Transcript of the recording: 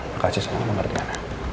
makasih sangat mengerti anak